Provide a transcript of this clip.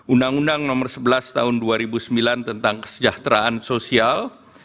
undang undang nomor sebelas tahun dua ribu sembilan tentang kesejahteraan sosial